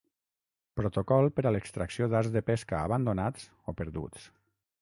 Protocol per a l'extracció d'arts de pesca abandonats o perduts.